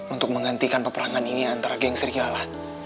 untuk menghentikan peperangan ini antara geng si gala